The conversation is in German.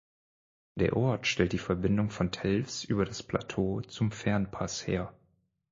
Der Ort stellt die Verbindung von Telfs über das Plateau zum Fernpass her.